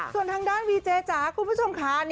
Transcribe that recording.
ส่วนทางด้านวีเจจ๋าคุณผู้ชมค่ะ